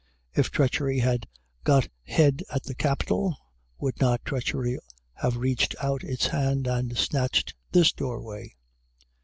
If treachery had got head at the capital, would not treachery have reached out its hand and snatched this doorway?